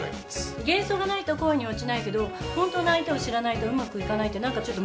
幻想がないと恋に落ちないけど本当の相手を知らないとうまくいかないって何かちょっと矛盾してません？